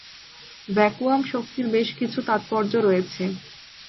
Vacuum শক্তির বেশ কিছু তাৎপর্য রয়েছে।